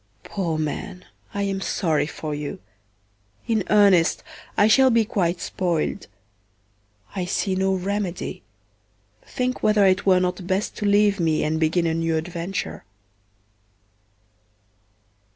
Poor man, I am sorry for you; in earnest, I shall be quite spoiled. I see no remedy; think whether it were not best to leave me and begin a new adventure.